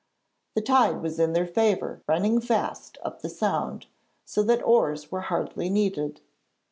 The tide was in their favour running fast up the Sound, so that oars were hardly needed.